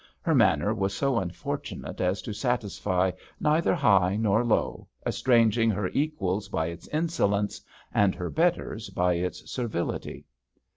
Her manner was so unfortunate as to satisfy neither high nor low, estranging her equals by its insolence, and her betters by its servility.